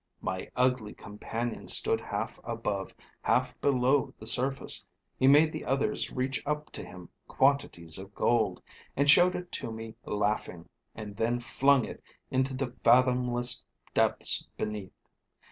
My ugly companion stood half above, half below the surface; he made the others reach up to him quantities of gold, and showed it to me laughing, and then flung it into the fathomless depths beneath.